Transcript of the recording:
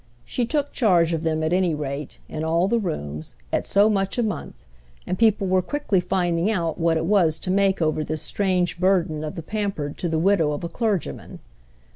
She took charge of them, at any rate, in all the rooms, at so much a month, and people were quickly finding out what it was to make over this strange burden of the pampered to the widow of a clergyman.